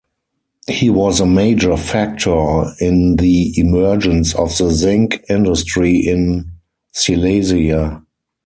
He was a major factor in the emergence of the zinc industry in Silesia.